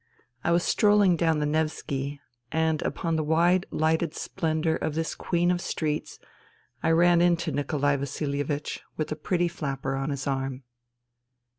I was strolling down the Nevski, and upon the wide, lighted splendour of this queen of streets I ran into Nikolai Vasilievich, with a pretty flapper on his arm.